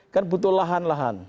kan butuh lahan lahan